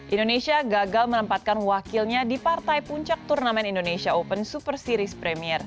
indonesia gagal menempatkan wakilnya di partai puncak turnamen indonesia open super series premier